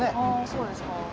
そうですか。